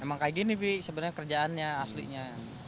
emang kayak gini sih sebenarnya kerjaannya aslinya